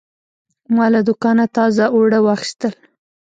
ما له دوکانه تازه اوړه واخیستل.